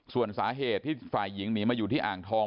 ส่วนสาเหตุที่ฝ่ายหญิงหนีมาอยู่ที่อ่างทอง